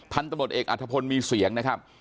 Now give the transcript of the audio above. ทันตรวจเอกอดธพลมีเสียงนะครับ